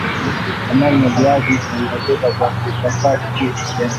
thamani ya viazi huongezeka kwa kuchakata viazi